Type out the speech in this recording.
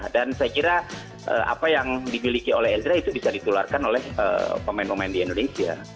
dan saya kira apa yang dimiliki oleh edra itu bisa ditularkan oleh pemain pemain di indonesia